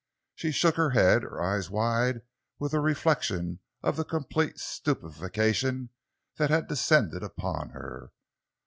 She shook her head, her eyes wide with a reflection of the complete stupefaction that had descended upon her.